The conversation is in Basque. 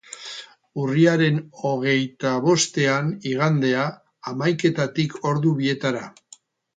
Urriaren hogeita bostean, igandea, hamaiketatik ordu bietara.